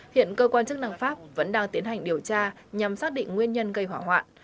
hiện cơ quan chức năng pháp vẫn đang tiến hành điều tra nhằm xác định nguyên nhân gây hỏa hoạn